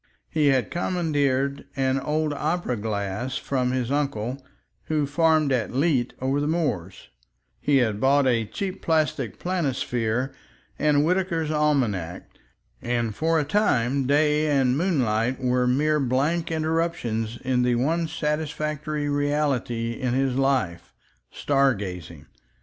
He had commandeered an old opera glass from his uncle who farmed at Leet over the moors, he had bought a cheap paper planisphere and Whitaker's Almanac, and for a time day and moonlight were mere blank interruptions to the one satisfactory reality in his life—star gazing.